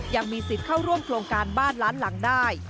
ยังมีสิทธิ์เข้าร่วมโครงการบ้านล้านหลังได้